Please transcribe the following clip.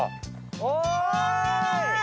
おい！